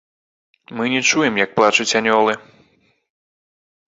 Мы не чуем, як плачуць анёлы.